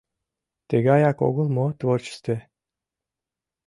Тыгаяк огыл мо творчестве?